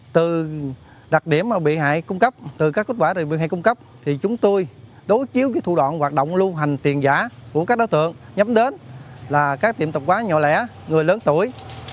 từ đặc điểm mà bị hại cung cấp từ các kết quả được hay cung cấp thì chúng tôi đối chiếu với thủ đoạn hoạt động lưu hành tiền giả của các đối tượng nhắm đến là các tiệm tập quán nhỏ lẻ người lớn tuổi